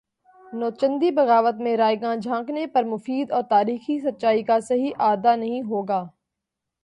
نوچندی بغاوت میں رائیگاں جھانکنے پر مفید اور تاریخی سچائی کا صحیح اعادہ نہیں ہو گا